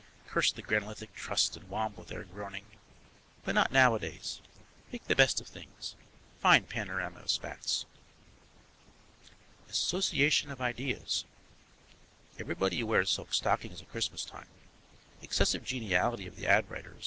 curse the granolithic trust and wamble there groaning. But not nowadays. Make the best of things. Fine panorama of spats. Association of ideas. Everybody wears silk stockings at Christmas time. Excessive geniality of the ad writers.